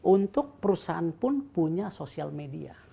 untuk perusahaan pun punya sosial media